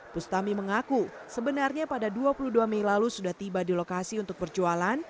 bustami mengaku sebenarnya pada dua puluh dua mei lalu sudah tiba di lokasi untuk berjualan